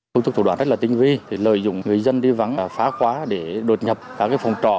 thủ tục thủ đoán rất là tinh vi lợi dụng người dân đi vắng phá khóa để đột nhập các phòng trọ